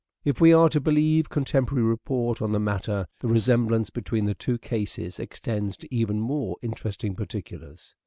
If we are to believe con temporary report on the matter the resemblance between the two cases extends to even more interesting particulars.